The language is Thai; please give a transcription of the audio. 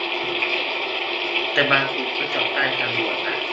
แต่บางอู่ก็จอดใต้ทางด่วนนะ